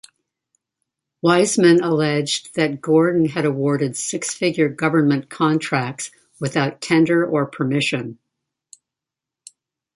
Wiseman alleged that Gordon had awarded six figure government contracts without tender or permission.